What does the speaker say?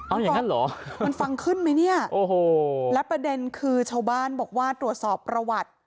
เอาอย่างนั้นเหรอมันฟังขึ้นไหมเนี่ยโอ้โหและประเด็นคือชาวบ้านบอกว่าตรวจสอบประวัติ